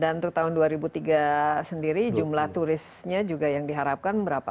dan untuk tahun dua ribu tiga sendiri jumlah turisnya juga yang diharapkan berapa